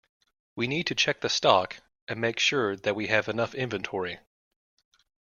We need to check the stock, and make sure that we have enough inventory